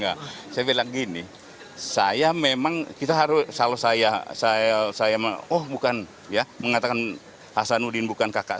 ya saya bilang gini saya memang kita harus selalu saya oh bukan ya mengatakan hasanuddin bukan kakak saya